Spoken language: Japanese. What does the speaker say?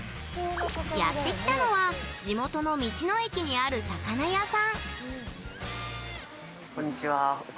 やってきたのは地元の道の駅にある魚屋さん。